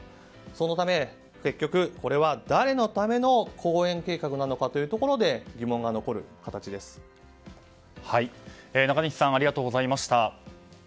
そのため、結局これは誰のための公園計画なのかというところで中西さんありがとうございました。